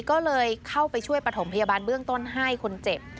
ก็เลยเข้าไปช่วยประถมพยาบาลเบื้องต้นให้คนเจ็บ